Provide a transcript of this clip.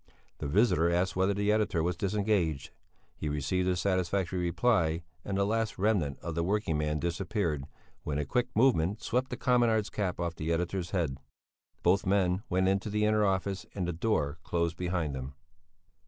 The visitor asked whether the editor was disengaged? He received a satisfactory reply, and the last remnant of the working man disappeared when a quick movement swept the communard's cap off the editor's head. Both men went into an inner office and the door closed behind them.